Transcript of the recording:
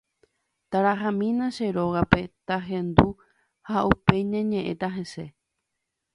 Tarahamína che rógape, tahendu ha upéi ñañe'ẽta hese.